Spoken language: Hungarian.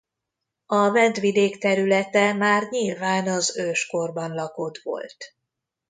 A Vendvidék területe már nyilván az őskorban lakott volt.